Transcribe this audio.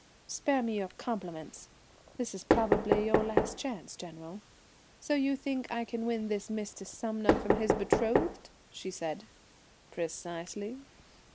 "Spare me your compliments. This is probably your last chance, General. So you think I can win this Mr. Sumner from his betrothed?" she said. "Precisely."